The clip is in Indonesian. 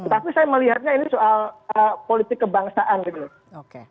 tapi saya melihatnya ini soal politik kebangsaan gitu loh